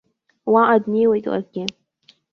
Уаҟа днеиуеит ларгьы.